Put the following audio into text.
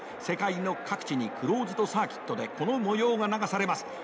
世界の各地にクローズドサーキットでこの模様が流されます。